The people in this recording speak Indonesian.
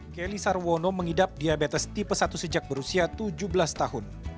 kelly sarwono mengidap diabetes tipe satu sejak berusia tujuh belas tahun